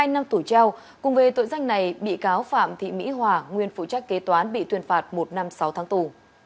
hai năm tuổi treo cùng với tội danh này bị cáo phạm thị mỹ hòa nguyên phụ trách kế toán bị tuyên phạt một năm sáu tháng tù